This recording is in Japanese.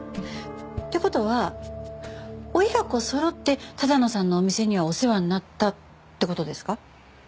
という事は親子そろって多田野さんのお店にはお世話になったって事ですか？